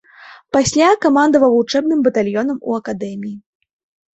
Пасля камандаваў вучэбным батальёнам у акадэміі.